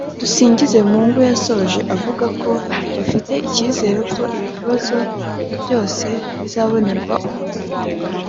Dusingizemungu yasoje avuga ko bafite icyizere ko ibi bibazo byose bizabonerwa umuti